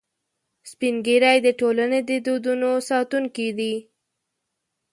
سپین ږیری د ټولنې د دودونو ساتونکي دي